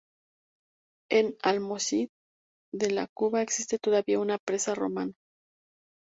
En Almonacid de la Cuba existe todavía una presa romana.